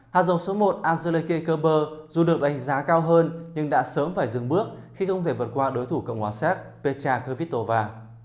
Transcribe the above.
hạt dầu số một angelique kerber dù được đánh giá cao hơn nhưng đã sớm phải dừng bước khi không thể vượt qua đối thủ cộng hòa sát petra kvitova